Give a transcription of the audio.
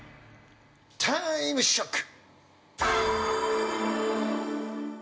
タイムショック！